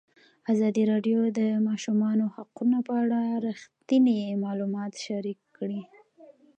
ازادي راډیو د د ماشومانو حقونه په اړه رښتیني معلومات شریک کړي.